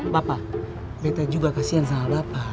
bapak dt juga kasian sama bapak